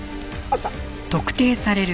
あった！